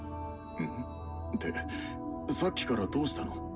うん？ってさっきからどうしたの？